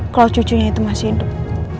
kalau cucunya itu masih hidup